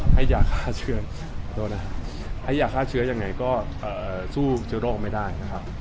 ให้เชื้อโอเคนะแล้วอย่างไรก็เอ่อสู้เจ้าโลกไม่ได้นะครับ